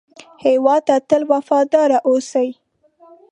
هېواد ته تل وفاداره اوسئ